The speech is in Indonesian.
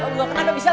gak kenapa bisa